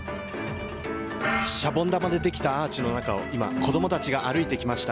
シャボン玉でできたアーチの中を今、子供たちが歩いてきました。